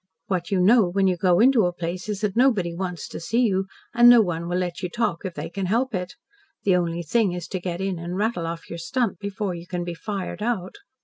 "What you know, when you go into a place, is that nobody wants to see you, and no one will let you talk if they can help it. The only thing is to get in and rattle off your stunt before you can be fired out."